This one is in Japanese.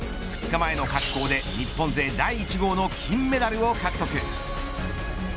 ２日前の滑降で日本勢第１号の金メダルを獲得。